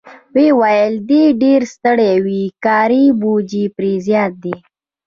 ویې ویل: دی ډېر ستړی وي، کاري بوج پرې زیات دی.